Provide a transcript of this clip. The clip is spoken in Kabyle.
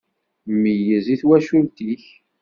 Meyyez i twacult-ik!